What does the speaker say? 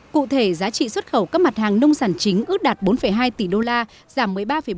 cụ thể giá trị xuất khẩu các mặt hàng nông sản chính ước đạt bốn hai tỷ đô la giảm một mươi ba bốn